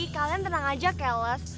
kalian tenang aja keles